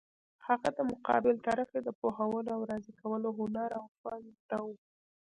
هغه د مقابل طرف د پوهولو او راضي کولو هنر او فن زده وو.